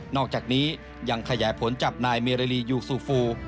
อกจากนี้ยังขยายผลจับนายเมริลียูซูฟู